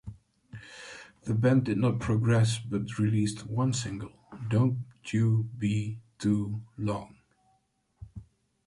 The band did not progress but released one single, "Don't You Be Too Long".